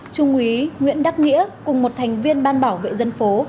chương quý nguyễn đắc nghĩa cùng một thành viên ban bảo vệ dân phố